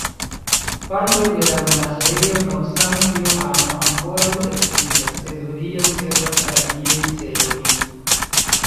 Partoj de la Monaĥejo Nov-Sankt-Johano ankoraŭ ekzistas, sed hodiaŭ servas al aliaj celoj.